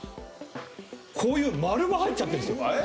こういう○が入っちゃってる。